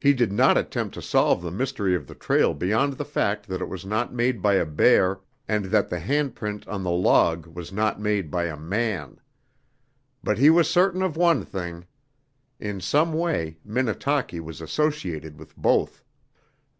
He did not attempt to solve the mystery of the trail beyond the fact that it was not made by a bear and that the handprint on the log was not made by a man. But he was certain of one thing. In some way Minnetaki was associated with both.